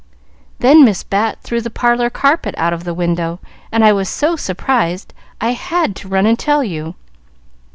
Then Miss Bat threw the parlor carpet out of the window, and I was so surprised I had to run and tell you.